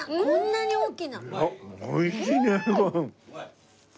こんなに大きな！